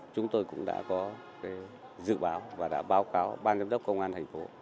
chúng tôi cũng đã có dự báo và đã báo cáo ban giám đốc công an thành phố